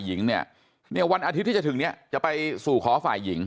หญิงเนี่ยเนี่ยวันอาทิตย์ที่จะถึงเนี่ยจะไปสู่ขอฝ่ายหญิง